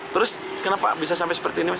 terus kenapa bisa sampai seperti ini mas